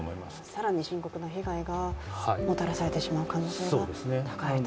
更に深刻な被害がもたらされてしまう可能性が高いと。